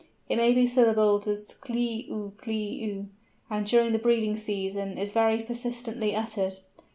It may be syllabled as klĭ ou klĭ ou, and during the breeding season is very persistently uttered.